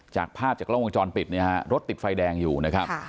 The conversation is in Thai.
จากภาพจากกล้องวงจรปิดเนี่ยฮะรถติดไฟแดงอยู่นะครับ